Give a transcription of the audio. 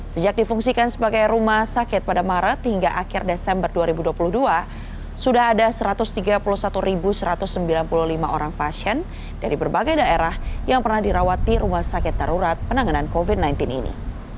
sejak difungsikan sebagai rumah sakit pada maret hingga akhir desember dua ribu dua puluh dua sudah ada satu ratus tiga puluh satu satu ratus sembilan puluh lima orang pasien dari berbagai daerah yang pernah dirawat di rumah sakit darurat penanganan covid sembilan belas ini